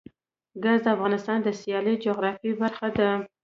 ګاز د افغانستان د سیاسي جغرافیه برخه ده.